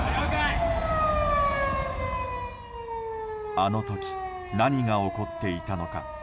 あの時何が起こっていたのか。